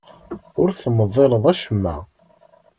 Ur temḍileḍ acemma.